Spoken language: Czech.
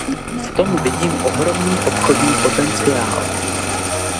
V tom vidím ohromný obchodní potenciál.